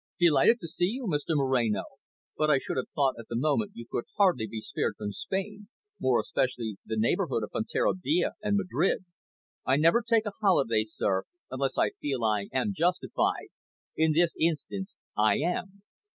"Delighted to see you, Mr Moreno. But I should have thought at the moment you could hardly be spared from Spain, more especially the neighbourhood of Fonterrabia, and Madrid." "I never take a holiday, sir, unless I feel I am justified. In this instance I am.